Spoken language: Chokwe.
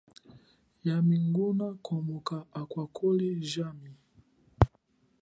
Yami nguna komoka akwakhole jami.